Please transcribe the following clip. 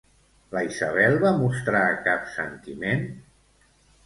La Isabel va mostrar cap sentiment?